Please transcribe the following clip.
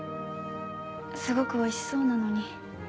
すごくおいしそうなのに。